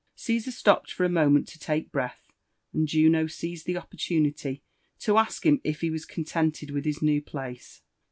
Cesar stopped for a moment to take breath, and Juno seized the opportunity to ask him if he was contented with his new place.